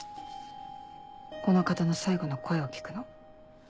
この方の最後の声を聞くの。